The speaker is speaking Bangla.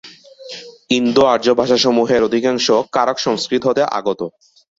ইন্দো-আর্য ভাষাসমূহের অধিকাংশ কারক সংস্কৃত হতে আগত।